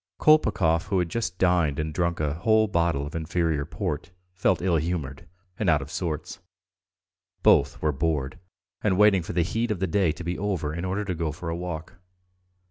Kolpakov, who had just dined and drunk a whole bottle of inferior port, felt ill humoured and out of sorts. Both were bored and waiting for the heat of the day to be over in order to go for a walk.